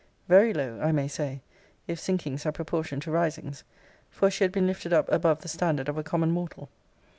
Very low, I may say; if sinkings are proportioned to risings; for she had been lifted up above the standard of a common mortal.